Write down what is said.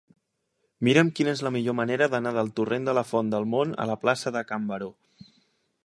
Mira'm quina és la millor manera d'anar del torrent de la Font del Mont a la plaça de Can Baró.